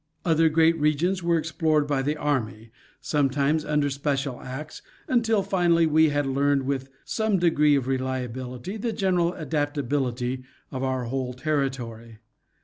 Other great regions were explored by the army, sometimes under special acts, until finally we had learned with some degree of reliability, the general adaptability of our whole territory.